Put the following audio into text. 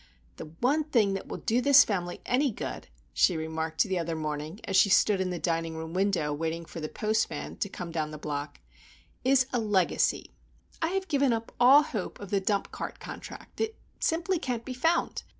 "The one thing that will do this family any good," she remarked the other morning, as she stood in the dining room window waiting for the postman to come down the block,—"is a legacy. I have given up all hope of the Dump Cart Contract. It simply can't be found.